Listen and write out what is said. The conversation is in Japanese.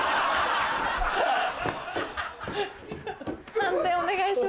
判定お願いします。